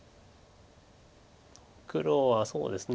黒はそうですね